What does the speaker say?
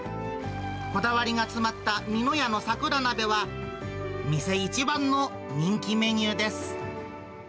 こだわりが詰まったみの家の桜なべは、店一番の人気メニューです。